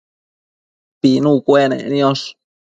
pinu cuenec niosh